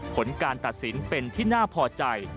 ผลการตัดสินเป็นที่น่าพอใจ